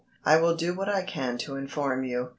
I will do what I can to inform you.